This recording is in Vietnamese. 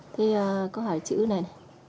thế cô hỏi chữ này